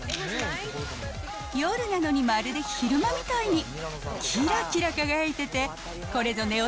夜なのにまるで昼間みたいに、きらきら輝いてて、これぞネオ